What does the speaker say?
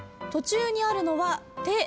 途中にあるのは「て」